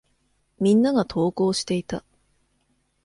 皆が登校していた。